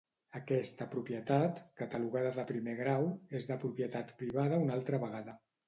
Aquesta propietat, catalogada de Primer Grau, és de propietat privada una altra vegada.